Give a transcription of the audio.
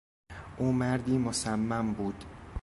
او مردی مصمم بود.